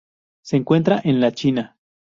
Se encuentra en la China.